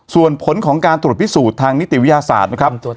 ส่วนผลของการตรวจพิสูจน์ทางนิติวิทยาศาสตร์นะครับ